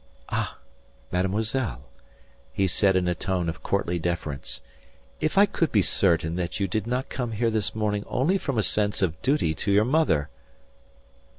"Ah, mademoiselle," he said in a tone of courtly deference. "If I could be certain that you did not come here this morning only from a sense of duty to your mother!"